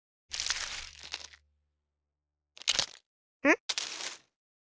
ん？